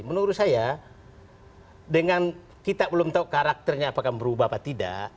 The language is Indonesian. menurut saya dengan kita belum tahu karakternya apakah berubah atau tidak